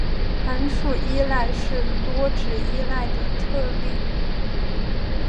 函数依赖是多值依赖的特例。